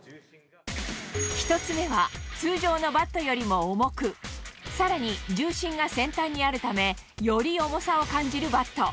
１つ目は、通常のバットよりも重く、さらに重心が先端にあるため、より重さを感じるバット。